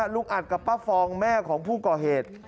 ลุงอัดกับป้าฟองแม่ของผู้ก่อเหตุ